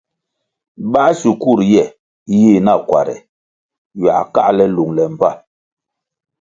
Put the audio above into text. Báh sikur ye yih nakuare ywiah káhle lungle mbpa.